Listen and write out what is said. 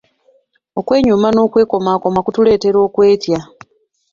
Okwenyooma n'okwekomoma kutuleetera okwetya.